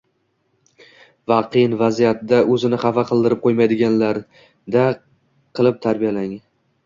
va qiyin vaziyatda o‘zini xafa qildirib qo‘ymaydiganlarda qilib tarbiyalang.